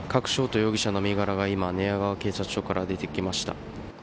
人容疑者の身柄が今寝屋川警察署から出てきました。